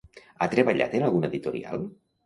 Ha treballat en alguna editorial?